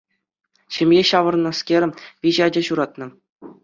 Ҫемье ҫавӑрнӑскер виҫӗ ача ҫуратнӑ.